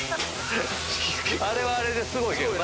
あれはあれですごいけどな。